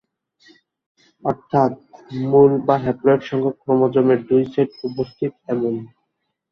অর্থাৎ মূল বা হ্যাপ্লয়েড সংখ্যক ক্রোমোজোমের দুই সেট উপস্থিত এমন।